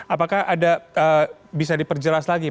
apakah ada bisa diperjelas lagi